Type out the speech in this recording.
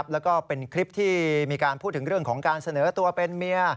และก็เป็นคลิปที่มีการพูดของการเสนอตัวเป็นเมีย